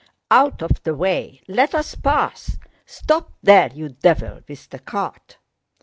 Out of the way!... Let us pass!... Stop there, you devil with the cart!